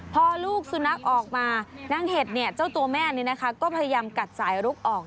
พอลูกสุนัขออกมานางเห็ดเจ้าตัวแม่ก็พยายามกัดสายรุกออก